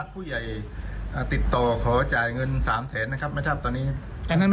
ก็เจอคืนนั้น